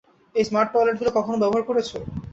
এই স্মার্ট টয়লেটগুলো কখনো ব্যবহার করেছো?